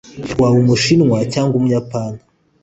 waba umushinwa cyangwa umuyapani